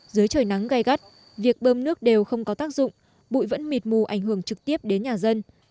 dưới trời nắng gai gắt việc bơm nước đều không có tác dụng bụi vẫn mịt mù ảnh hưởng trực tiếp đến nhà dân